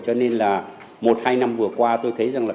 cho nên là một hai năm vừa qua tôi thấy rằng là